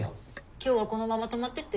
今日はこのまま泊まってって。